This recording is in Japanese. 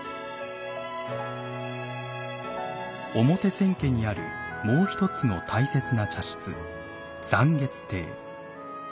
表千家にあるもう一つの大切な茶室残月亭。